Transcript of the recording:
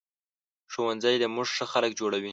ښوونځی له مونږ ښه خلک جوړوي